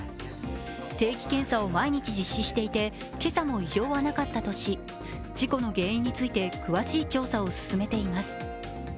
定期検査を毎日実施していて今朝も異状はなかったとし、事故の原因について詳しい調査を進めています。